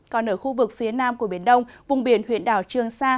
còn ở khu vực phía nam của biển đông vùng biển huyện đảo trường sa